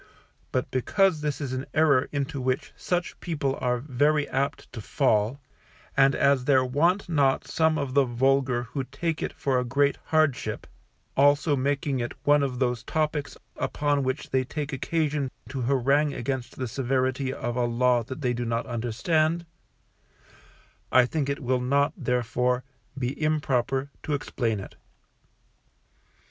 But because this is an error into which such people are very apt to fall; and as there want not some of the vulgar who take it for a great hardship, also making it one of those topics upon which they take occasion to harangue against the severity of a Law that they do not understand, I think it will not, therefore, be improper to explain it.